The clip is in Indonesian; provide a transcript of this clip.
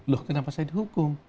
loh kenapa saya dihukum